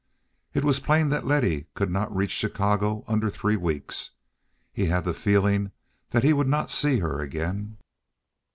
It was plain that Letty could not reach Chicago under three weeks. He had the feeling that he would not see her again.